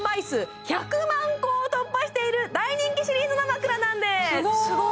数１００万個を突破している大人気シリーズの枕なんです